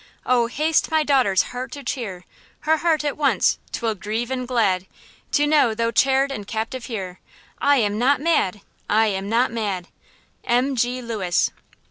Oh, haste my daughter's heart to cheer, Her heart, at once, 'twill grieve and glad To know, tho' chaired and captive here I am not mad! I am not mad! –M. G. LEWIS.